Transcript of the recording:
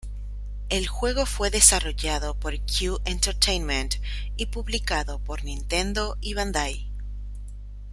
El juego fue desarrollado por Q Entertainment y publicado por Nintendo y Bandai.